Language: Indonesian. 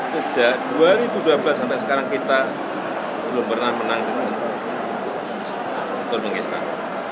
sejak dua ribu dua belas sampai sekarang kita belum pernah menang dengan turnomenistan